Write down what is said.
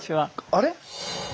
あれ？